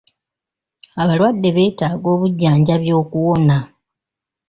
Abalwadde beetaaga obujjanjabi okuwona.